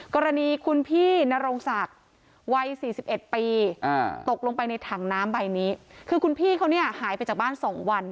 กรณีคุณพี่นโรงศักดิ์วัย๔๑ปีตกลงไปในถังน้ำใบนี้คือคุณพี่เขาเนี่ยหายไปจากบ้าน๒วัน